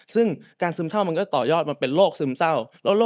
ซึ่งการซึมเศร้ามันก็ต่อยอดมันเป็นโรคซึมเศร้า